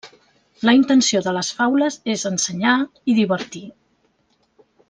La intenció de les faules és ensenyar i divertir.